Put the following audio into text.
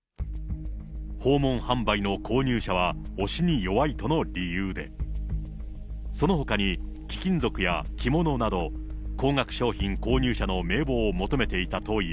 訪問販売の購入者は押しに弱いとの理由で、そのほかに貴金属や着物など、高額商品購入者の名簿を求めていたという。